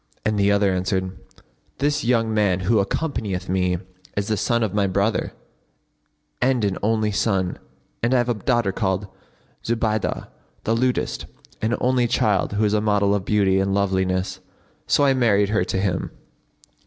and the other answered, 'This young man who accompanieth me is the son of my brother and an only son; and I have a daughter called Zubaydah[FN#53] the lutist, an only child who is a model of beauty and loveliness, so I married her to him.